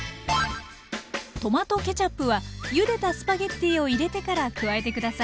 トマトケチャップはゆでたスパゲッティを入れてから加えて下さい。